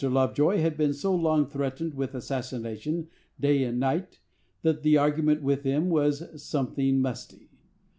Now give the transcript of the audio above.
Lovejoy had been so long threatened with assassination, day and night, that the argument with him was something musty.